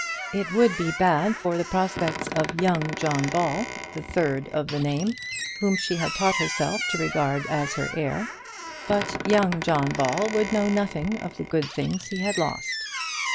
It would be bad for the prospects of young John Ball, the third of the name, whom she had taught herself to regard as her heir; but young John Ball would know nothing of the good things he had lost.